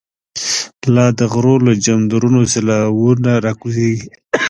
لا دغرو له جمدرونو، سیلاوونه ر ا کوزیږی